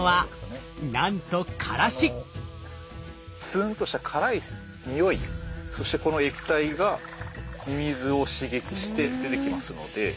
ツーンとした辛い匂いそしてこの液体がミミズを刺激して出てきますので。